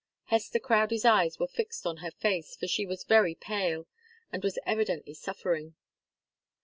Hester Crowdie's eyes were fixed on her face, for she was very pale and was evidently suffering.